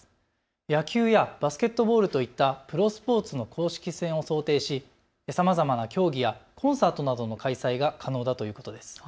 野球やバスケットボールといったプロスポーツの公式戦を想定しさまざまな競技やコンサートなどの開催が可能だということです。